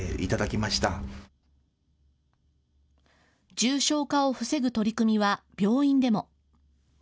重症化を防ぐ取り組みは病院でも。